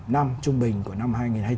năm trung bình của năm hai nghìn hai mươi bốn